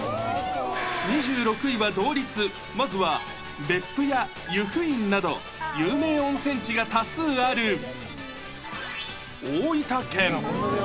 ２６位は同率、まずは別府や由布院など、有名温泉地が多数ある大分県。